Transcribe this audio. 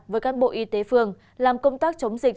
với cán bộ y tế phường làm công tác chống dịch